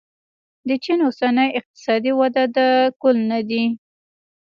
د چین اوسنۍ اقتصادي وده د کل نه دی.